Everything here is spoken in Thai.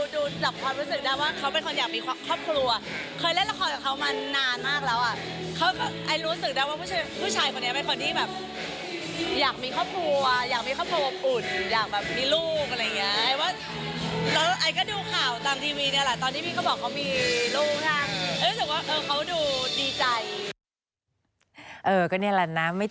ดูดับความรู้สึกได้ว่าเขาเป็นคนอยากมีครอบครัว